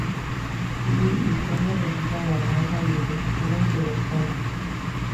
Lee y Kenny registran la granja y descubren que los St.